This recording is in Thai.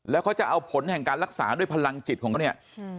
แล้วเขาจะเอาผลแห่งการรักษาด้วยพลังจิตของเขาเนี่ย